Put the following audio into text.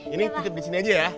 ini titip di sini aja ya